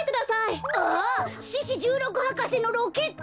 獅子じゅうろく博士のロケット！